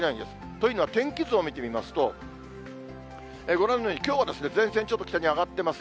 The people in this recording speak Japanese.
というのは天気図を見てみますと、ご覧のように、きょうは前線、ちょっと北に上がってます。